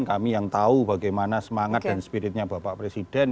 kami yang tahu bagaimana semangat dan spiritnya bapak presiden